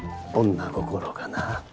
女心がな。